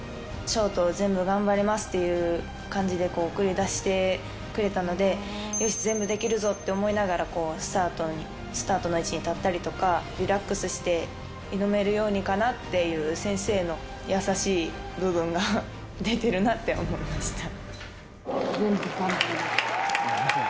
ショート、全部頑張れますっていう感じで、送り出してくれたので、よし、全部できるぞって思いながらスタートの位置に立ったりとか、リラックスして挑めるようにかなっていう、先生の優しい部分が出全部頑張れます。